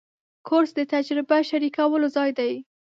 کورس د تجربه شریکولو ځای دی.